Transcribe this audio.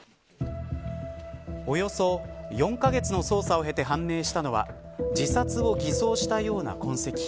およそ４カ月の捜査を経て判明したのは自殺を偽装したような痕跡。